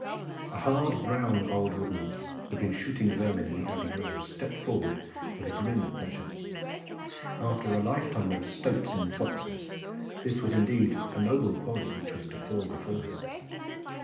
A hard brown old woodman who had been shooting vermin in the Abbey groves stepped forward with a grin of pleasure. After a lifetime of stoats and foxes, this was indeed a noble quarry which was to fall before him.